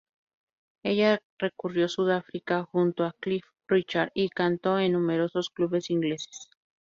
Ella recorrió Sudáfrica junto a Cliff Richard y cantó en numerosos clubes ingleses.